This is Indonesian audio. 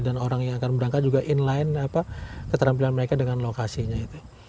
dan orang yang akan berangkat juga inline keterampilan mereka dengan lokasinya itu